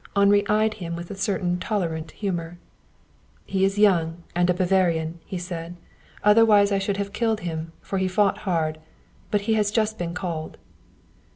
Henri eyed him with a certain tolerant humor. "He is young, and a Bavarian," he said. "Other wise I should have killed him, for he fought hard. He has but just been called."